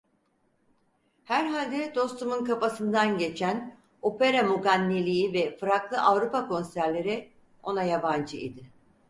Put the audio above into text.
Herhalde dostumun kafasından geçen opera muganniliği ve fraklı Avrupa konserleri, ona yabancı idi.